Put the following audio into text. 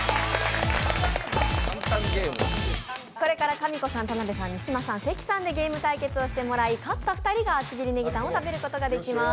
これからかみこさん、田辺さん、三島さん、関さんでゲーム対決をしてもらい勝った２人が厚切りネギタンを食べることができます。